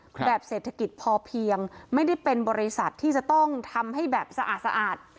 แบบเศรษฐกิจพอเพียงไม่ได้เป็นบริษัทที่จะต้องทำให้แบบสะอาดสะอาด